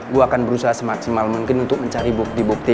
gue akan berusaha semaksimal mungkin untuk mencari bukti bukti